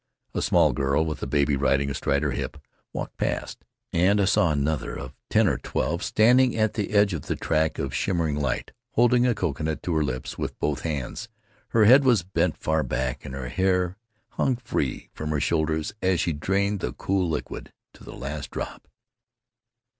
A small girl, with a baby riding astride her hip, walked past, and I saw another, of ten or twelve, standing at the edge of the track of shimmering light, holding a coconut to her lips with both hands. Her head was bent far back and her hair hung free from her shoulders as she drained the cool liquid to the last drop.